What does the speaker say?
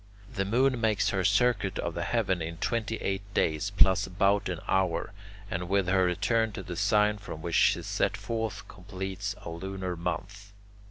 The moon makes her circuit of the heaven in twenty eight days plus about an hour, and with her return to the sign from which she set forth, completes a lunar month.